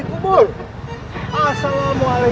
assalamualaikum ya allah